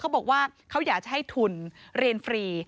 เขาบอกว่าเขาอยากจะให้ทุนเรียนฟรี